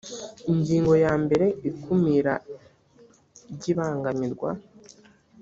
ingingo yambere ikumira ry ibangamirwa